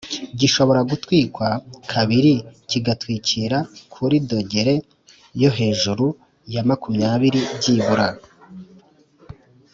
Gishobora gutwikwa kabiri kigatwikira kuri dogere yo hejuru ya makumyabiri byibura